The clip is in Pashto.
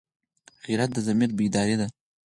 غیرت د ضمیر بیداري ده